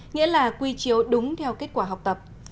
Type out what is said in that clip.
nghĩa là quy chiếu đúng theo kết quả học tập